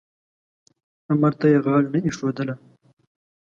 امر ته یې غاړه نه ایښودله.